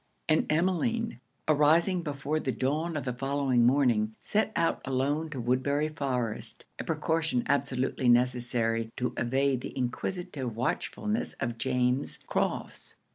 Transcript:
And Emmeline, arising before the dawn of the following morning, set out alone to Woodbury Forest a precaution absolutely necessary, to evade the inquisitive watchfulness of James Crofts.